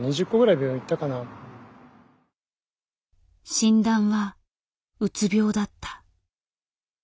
診断はうつ病だった。